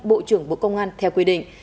bộ trưởng bộ công an theo quyết định